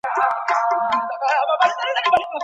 بریا یوازي د هغو کسانو ده چي تل مخکي ته ګوري.